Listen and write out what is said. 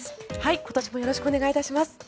今年もよろしくお願いいたします。